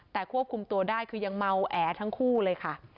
แต่ควบคุมตัวได้คือยังเมาแอทั้งคู่เลยค่ะ